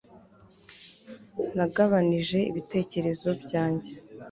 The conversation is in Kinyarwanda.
Nagabanije ibitekerezo byanjye